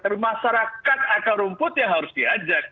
tapi masyarakat akal rumput yang harus diajak